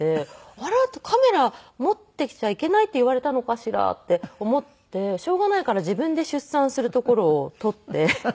カメラ持ってきちゃいけないって言われたのかしら？って思ってしょうがないから自分で出産するところを撮って。